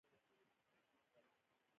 د معدې د مکروب لپاره د څه شي پوستکی وکاروم؟